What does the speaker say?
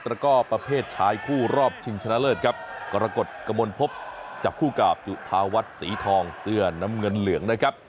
แล้วก็ประเภทชายคู่รอบชิงชนะเลิศครับกรกฎกระมวลพบจับคู่กับจุธาวัฒน์สีทองเสื้อน้ำเงินเหลืองนะครับ